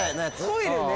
トイレね。